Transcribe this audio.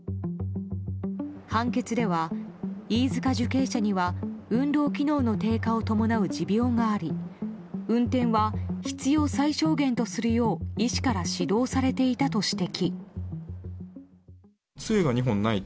判決では、飯塚受刑者には運動機能の低下を伴う持病があり運転は必要最小限とするよう医師から指導されていたと指摘。